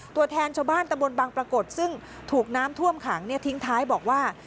ตัวแทนชาวบ้านตะบนบางปรากฏซึ่งถูกน้ำท่วมขังทิ้งท้ายบอกว่า